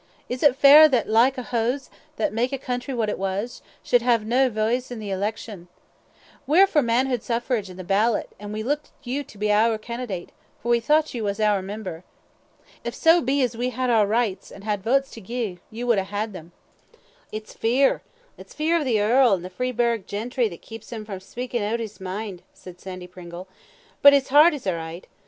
Is it fair that the like o' huz, that mak the country what it is, should hae nae voice in the elections? We're for manhood suffrage, an' the ballot, and we look to you to be oor advocate, for we thocht ye was to be oor member. If so be as we had had our richts, and had votes to gie, ye should hae them a'." "It's fear it's fear of the earl and the Freeburgh gentry that keeps him frae speakin' oot his mind," said Sandy Pringle; "but his heart is a' richt.